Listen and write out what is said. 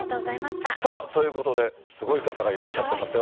さあ、ということですごい方がいらっしゃってますよ。